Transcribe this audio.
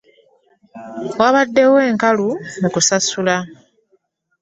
Wabaddewo enkalu mu kusasula.